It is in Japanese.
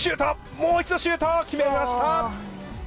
もう一度、シュート決めました。